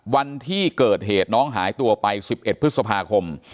วันที่เกิดเหตุน้องหายตัวไป๑๑พฤษภาคม